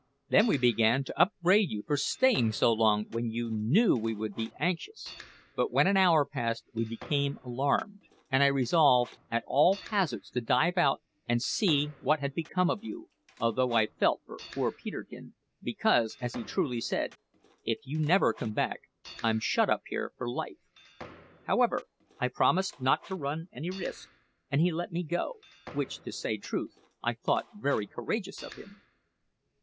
Then we began to upbraid you for staying so long when you knew we would be anxious; but when an hour passed we became alarmed, and I resolved at all hazards to dive out and see what had become of you, although I felt for poor Peterkin, because, as he truly said, `If you never come back, I'm shut up here for life.' However, I promised not to run any risk, and he let me go which, to say truth, I thought very courageous of him!"